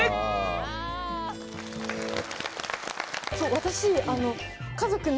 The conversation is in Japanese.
私。